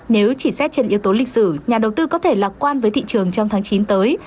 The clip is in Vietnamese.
nếu chỉ xét trên yếu tố lịch sử nhà đầu tư có thể lạc quan với thị trường trong tháng chín tới